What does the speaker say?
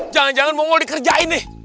jangan jangan mau dikerjain nih